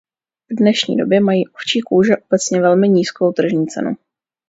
V dnešní době mají ovčí kůže obecně velmi nízkou tržní cenu.